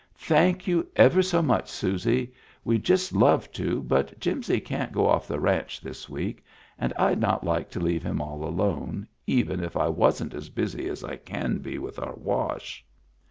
"Thank you ever so much, Susie ; we'd just love to, but Jimsy can't go off the ranch this week and I'd not like to leave him all alone, even if I wasn't as busy as I can be with our wash."